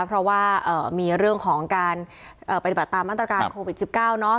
เพราะว่ามีเรื่องของการปฏิบัติตามมาตรการโควิด๑๙